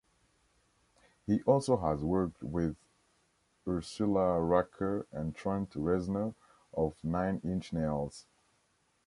He also has worked with Ursula Rucker and Trent Reznor of Nine Inch Nails.